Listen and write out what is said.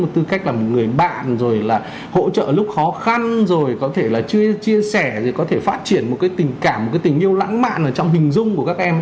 tư cách là một người bạn rồi là hỗ trợ lúc khó khăn rồi có thể là chưa chia sẻ rồi có thể phát triển một cái tình cảm một cái tình yêu lãng mạn ở trong hình dung của các em